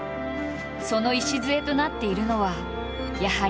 その礎となっているのはやはり。